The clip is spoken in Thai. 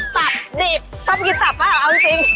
ตับบริบชอบกินตับต้องหรอเอาจริง